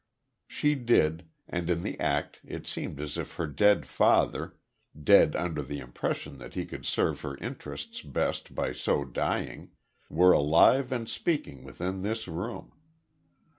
She did, and in the act it seemed as if her dead father dead under the impression that he could serve her interests best by so dying were alive and speaking within this room.